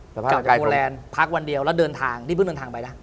กลับมาจากโมแลนด์พักวันเดียวแล้วเดินทางนี่เพิ่งเดินทางไปนะ